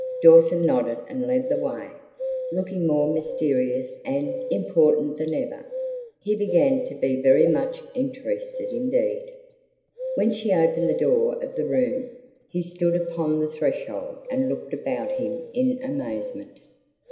Dawson nodded and led the way, looking more mysterious and important than ever. He began to be very much interested indeed. When she opened the door of the room, he stood upon the threshold and looked about him in amazement.